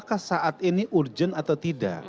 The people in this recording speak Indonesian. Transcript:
apakah saat ini urgent atau tidak